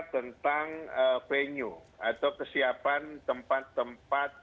tentang venue atau kesiapan tempat tempat